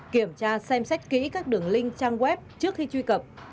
kiểm tra xem xét kỹ các đường link trang web trước khi truy cập